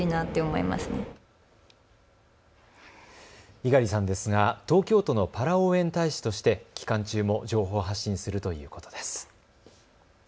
猪狩さんですが、東京都のパラ応援大使として期間中も情報を発信するということです。